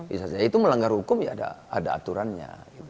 misalnya itu melanggar hukum ya ada aturannya